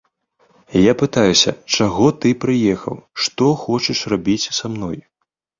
Я пытаюся, чаго ты прыехаў, што хочаш рабіць са мной?